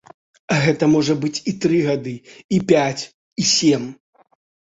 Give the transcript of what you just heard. Гэта можа быць і тры гады, і пяць і сем.